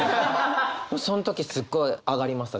その時すごい上がりました